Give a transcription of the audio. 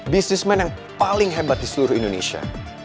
bisnismen yang paling hebat di seluruh indonesia